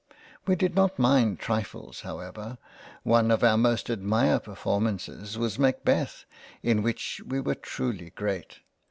We did not mind trifles however —. One of our most admired Performances was Macbeth, in which we were truly great.